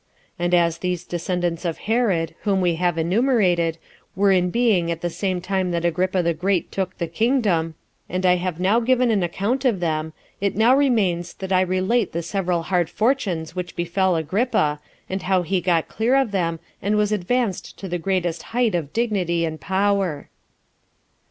And as these descendants of Herod, whom we have enumerated, were in being at the same time that Agrippa the Great took the kingdom, and I have now given an account of them, it now remains that I relate the several hard fortunes which befell Agrippa, and how he got clear of them, and was advanced to the greatest height of dignity and power.